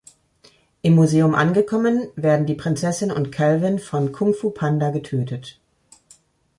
Im Museum angekommen werden die Prinzessin und Calvin von Kung Fu-Panda getötet.